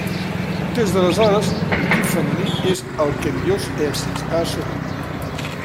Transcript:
Des d'aleshores l'equip femení és el que millors èxits ha assolit.